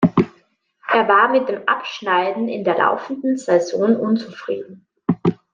Er war mit dem Abschneiden in der laufenden Saison unzufrieden.